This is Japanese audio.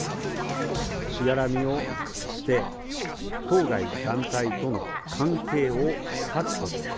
しがらみを捨て、当該団体との関係を断つこと。